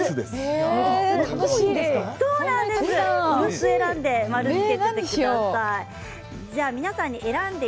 ６つ選んで丸をつけてください。